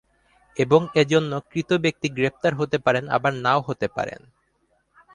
এবং এজন্য কৃত ব্যক্তি গ্রেপ্তার হতে পারেন আবার নাও হতে পারেন।